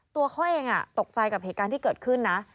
ตัวเขาเองตกใจกับเหตุการณ์ที่เกิดขึ้นนะ